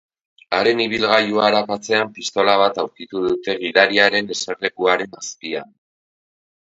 Haren ibilgailua arakatzean pistola bat aurkitu dute gidariaren eserlekuaren azpian.